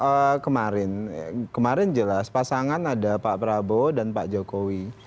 ya kemarin kemarin jelas pasangan ada pak prabowo dan pak jokowi